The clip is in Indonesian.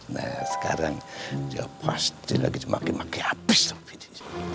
nah sekarang dia pasti lagi cemaki maki habis sama bininya